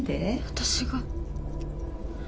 私が。